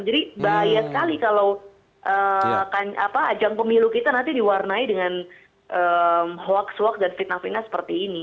bahaya sekali kalau ajang pemilu kita nanti diwarnai dengan hoax hoax dan fitnah fitnah seperti ini